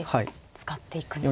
使っていくんですね。